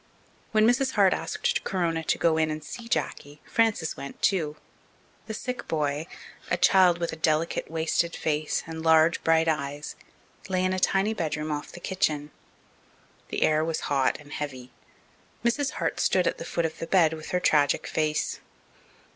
When Mrs. Hart asked Corona to go in and see Jacky, Frances went too. The sick boy, a child with a delicate, wasted face and large, bright eyes, lay in a tiny bedroom off the kitchen. The air was hot and heavy. Mrs. Hart stood at the foot of the bed with her tragic face.